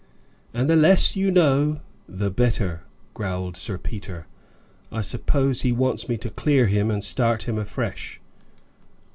"And the less you know the better," growled Sir Peter. "I suppose he wants me to clear him and start him afresh."